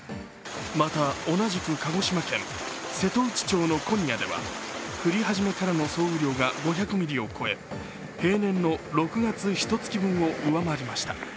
また同じく鹿児島県瀬戸内町の古仁屋では降り始めからの総雨量が５００ミリを超え平年の６月ひと月分を上回りました